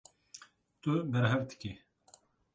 Tu berhev dikî.